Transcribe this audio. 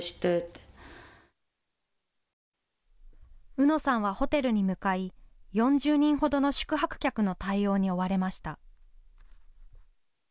うのさんはホテルに向かい４０人ほどの宿泊客の対応に追われました。